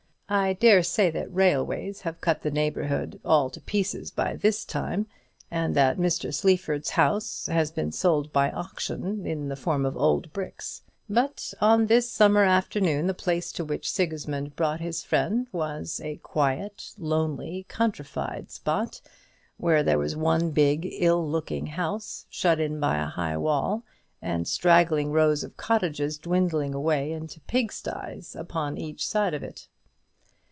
I dare say that railways have cut the neighbourhood all to pieces by this time, and that Mr. Sleaford's house has been sold by auction in the form of old bricks; but on this summer afternoon the place to which Sigismund brought his friend was quite a lonely, countrified spot, where there was one big, ill looking house, shut in by a high wall, and straggling rows of cottages dwindling away into pigsties upon each side of it.